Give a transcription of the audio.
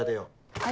はい。